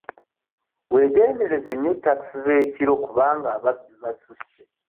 Weegendereze nnyo takisi z'ekiro kubanga ababbi basusse.